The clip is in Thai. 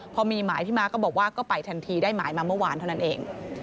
พอมีหมายพี่ม้าก็บอกว่าก็ไปทันทีได้หมายมาเมื่อวานเท่านั้นเอง